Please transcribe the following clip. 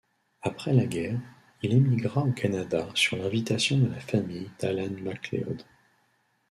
Après la guerre, il émigra au Canada sur l'invitation de la famille d'Alan McLeod.